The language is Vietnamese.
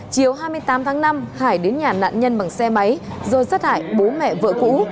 chiều hai mươi tám tháng năm hải đến nhà nạn nhân bằng xe máy rồi sát hại bố mẹ vợ cũ